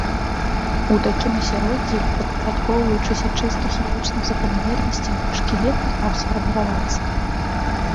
У такім асяроддзі, падпарадкоўваючыся чыста хімічным заканамернасцям, шкілет не мог сфарміравацца.